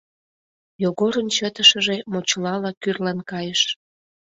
Йогорын чытышыже мочылала кӱрлын кайыш.